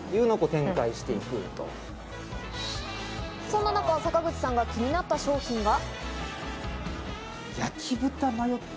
そんな中、坂口さんが気になった商品が。